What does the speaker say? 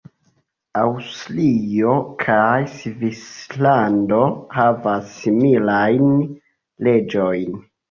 Aŭstrio kaj Svislando havas similajn leĝojn.